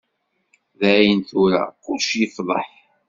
Dayen tura, kullec yefḍeḥ.